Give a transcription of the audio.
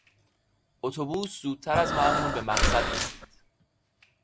اتوبوس زودتر از معمول به مقصد رسید.